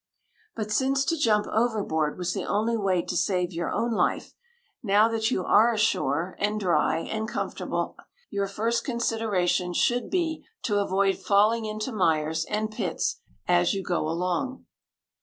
But since to jump overboard was the only way to save your own life, now that you are ashore, and dry, and comfortable, your first consideration should be to avoid falling into mires and pits as you go along.